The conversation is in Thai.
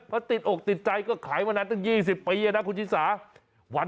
เพราะติดอกติดใจก็ขายมานานตั้ง๒๐ปีนะคุณชิสา